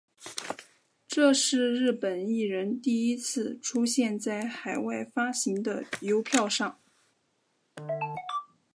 这是日本艺人第一次出现在海外发行的邮票上。